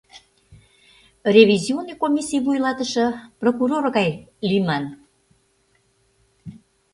Ревизионный комиссий вуйлатыше прокурор гай лийман.